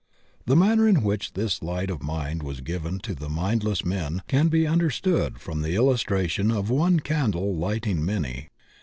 The manner in which this light of mind was given to the Mindless Men can be understood from the illustration of one candle lighting many.